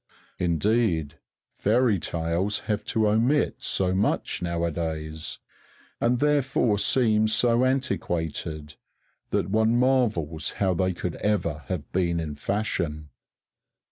Indeed, fairy tales have to omit so much nowadays, and therefore seem so antiquated, that one marvels how they could ever have been in fashion.